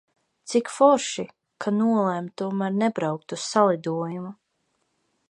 Cik forši, ka nolēmu tomēr nebraukt uz salidojumu!